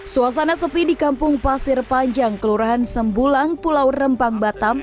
suasana sepi di kampung pasir panjang kelurahan sembulang pulau rempang batam